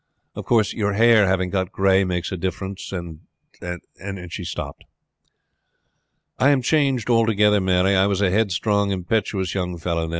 Of course your hair having got gray makes a difference, and and " and she stopped. "I am changed altogether, Mary. I was a headstrong, impetuous young fellow then.